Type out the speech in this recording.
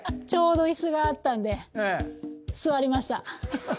ちょうど椅子があったんで座りました。